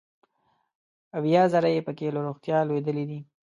اویا زره یې پکې له روغتیا لوېدلي دي.